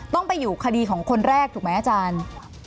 ต้องไปอยู่คดีของคนแรกถูกไหมอาจารย์